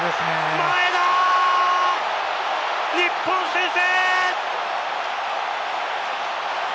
前田、日本先制！